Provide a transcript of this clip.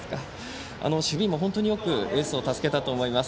守備も本当によくエースを助けたと思います。